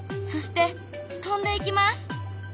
そして飛んでいきます。